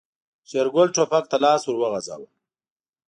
شېرګل ټوپک ته لاس ور وغځاوه.